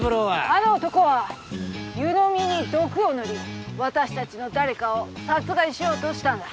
あの男は湯飲みに毒を塗り私たちの誰かを殺害しようとしたんだ。